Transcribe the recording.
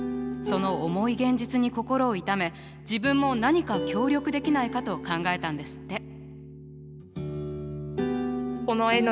その重い現実に心を痛め自分も何か協力できないかと考えたんですって。